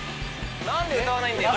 何で歌わないんだよ。